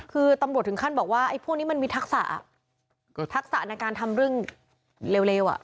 คือตำรวจถึงขั้นบอกว่าไอ้พวกนี้มันมีทักษะทักษะในการทำเรื่องเร็วอ่ะ